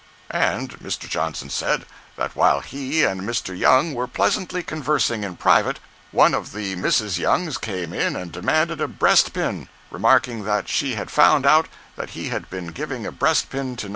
And Mr. Johnson said that while he and Mr. Young were pleasantly conversing in private, one of the Mrs. Youngs came in and demanded a breast pin, remarking that she had found out that he had been giving a breast pin to No.